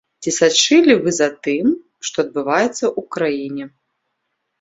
Ці сачылі вы за тым, што адбываецца ў краіне?